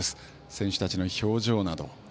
選手たちの表情など。